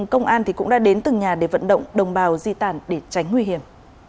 công an cũng đã đến từng nhà để vận động đồng bào di tản để tránh nguy hiểm